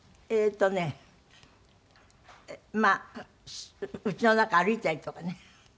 えっとねまあうちの中歩いたりとかね。